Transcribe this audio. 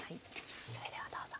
それではどうぞ。